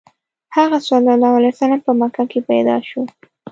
هغه ﷺ په مکه کې پیدا شو.